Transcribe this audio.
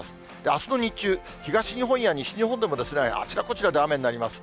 あすの日中、東日本や西日本でも、あちらこちらで雨になります。